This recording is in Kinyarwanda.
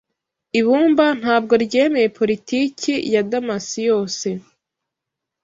Ibumba ntabwo ryemeye politiki ya Adams yose.